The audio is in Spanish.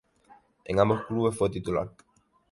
En ambos clubes fue titular.